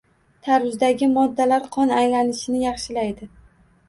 Tarvuzdagi moddalar qon aylanishini yaxshilaydi.